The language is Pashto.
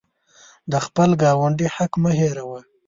د خپل ګاونډي حق مه هیروه.